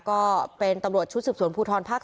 ก็เป็นตำรวจชุดสืบสวนภูทรภาค๓